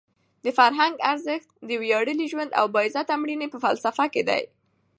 د فرهنګ ارزښت د ویاړلي ژوند او د باعزته مړینې په فلسفه کې دی.